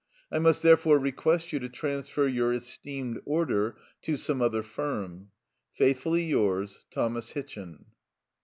I must therefore request you to transfer your esteemed order to some other firm. "Faithfully yours, "THOMAS HITCHIN."